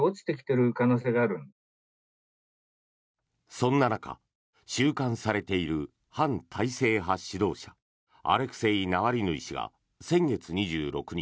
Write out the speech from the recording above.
そんな中、収監されている反体制派指導者アレクセイ・ナワリヌイ氏が先月２６日